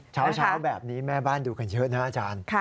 เช้าแบบนี้แม่บ้านดูกันเยอะนะอาจารย์